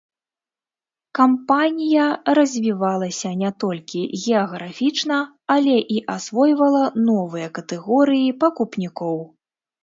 Кампанія развівалася не толькі геаграфічна, але і асвойвала новыя катэгорыі пакупнікоў.